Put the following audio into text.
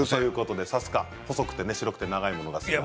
さすが細くて白くて長いものが好き。